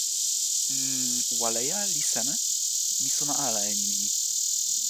n... waleja li seme? mi sona ala e nimi ni.